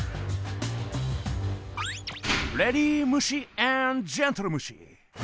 レディムシアーンドジェントルムシ！